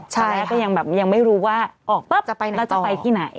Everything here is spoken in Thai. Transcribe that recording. ใช่ค่ะใช่ค่ะแล้วก็ยังไม่รู้ว่าออกปั๊บแล้วจะไปที่ไหน